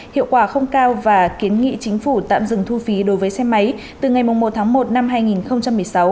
hiệu quả không cao và kiến nghị chính phủ tạm dừng thu phí đối với xe máy từ ngày một tháng một năm hai nghìn một mươi sáu